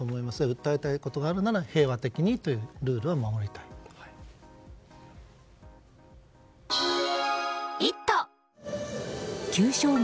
訴えたいことがあるなら平和的にというルールは守りたいですね。